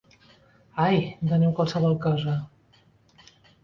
Ai, doni'm qualsevol cosa.